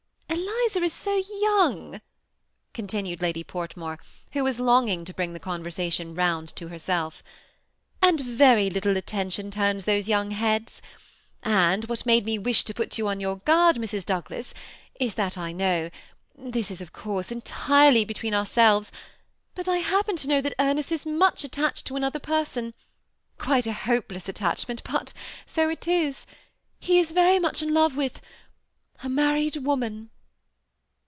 " Eliza is so young/* continued Lady Fortmore, who was longing to bring the conversation round to herself, ^ and very little attenticm turns thos^ young beads ; and what made me w'i&h to put you on your guard, Mrs, Douglas, is that I know, (this is of course entirely be tween ourselves,)^* but I happen to know that Ernest ia much attached to another person ; quite a hopeless at tachment, but so it is ; he is very much in love with — a married woman."